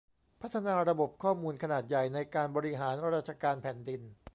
พัฒนาระบบข้อมูลขนาดใหญ่ในการบริหารราชการแผ่นดิน